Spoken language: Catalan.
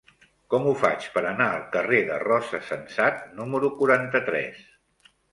Com ho faig per anar al carrer de Rosa Sensat número quaranta-tres?